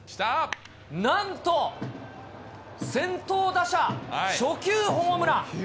なんと先頭打者初球ホームラン。